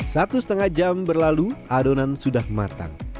satu setengah jam berlalu adonan sudah matang